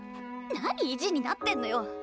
何意地になってんのよ。